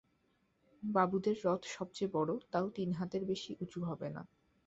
বাবুদের রথ সবচেয়ে বড়, তাও তিন হাতের বেশি উঁচু হবে না।